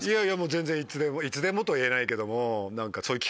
全然いつでもいつでもとは言えないけども。